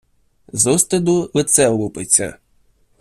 З устиду лице лупиться.